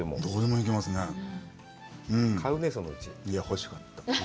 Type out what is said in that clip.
いや、欲しかった。